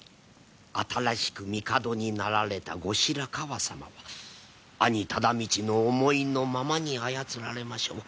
新しく帝になられた後白河様は兄忠通の思いのままに操られましょう。